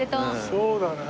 そうだね。